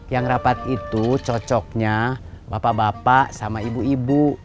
yang rapat itu cocoknya bapak bapak sama ibu ibu